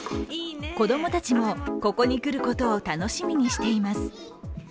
子供たちもここに来ることを楽しみにしています。